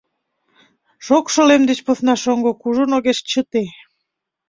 Шокшо лем деч посна шоҥго кужун огеш чыте.